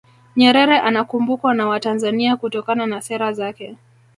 nyerere anakumbukwa na watanzania kutokana na sera zake